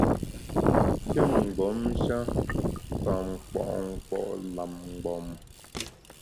Nshin mgbom-sha fa nkpo’ nkpo’ lam mgbom.